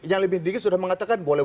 yang lebih dikit sudah mengatakan boleh